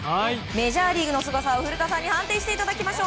メジャーリーグのすごさを古田さんに判定していただきます。